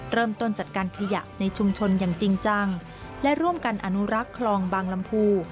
เริ่มต้นจัดการขยะในชุมชนอย่างจริงจังและร่วมกันอนุรักษ์คลองบางลำพู